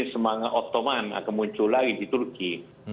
semangat ottoman akan muncul lagi di turki